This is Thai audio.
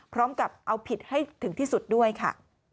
พร้อมกับเอาผิดให้ถึงที่สุดด้วยค่ะ